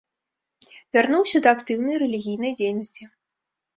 Вярнуўся да актыўнай рэлігійнай дзейнасці.